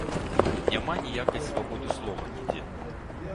Няма ніякай свабоды слова нідзе.